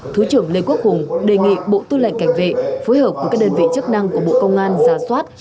thứ trưởng lê quốc hùng đề nghị bộ tư lệnh cảnh vệ phối hợp với các đơn vị chức năng của bộ công an ra soát